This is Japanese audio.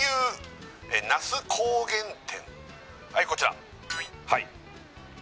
はいこちらはい